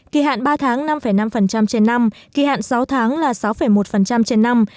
kỳ hạn ba tháng năm năm trên năm kỳ hạn sáu tháng là sáu một trên năm